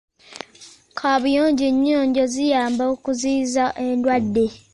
Kaabuyonjo ennyonjo ziyamba okuziiyiza endwadde.